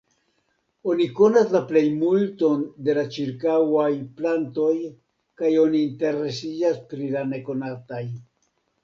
Oni konas la plejmulton de la ĉirkaŭaj plantoj kaj oni interesiĝas pri la nekonataj.